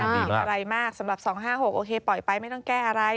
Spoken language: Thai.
ไม่มีอะไรมากสำหรับ๒๕๖โอเคปล่อยไปไม่ต้องแก้อะไร